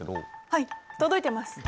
はい届いてます。